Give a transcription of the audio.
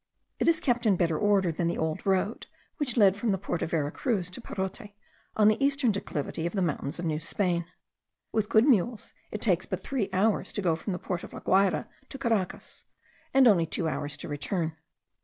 It is kept in better order than the old road, which led from the port of Vera Cruz to Perote, on the eastern declivity of the mountains of New Spain. With good mules it takes but three hours to go from the port of La Guayra to Caracas; and only two hours to return.